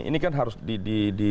ini kan harus di